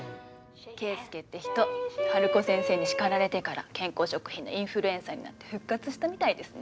ケイスケって人ハルコ先生に叱られてから健康食品のインフルエンサーになって復活したみたいですね。